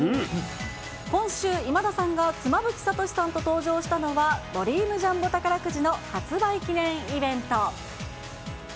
今週、今田さんが妻夫木聡さんと登場したのは、ドリームジャンボ宝くじの発売記念イベント。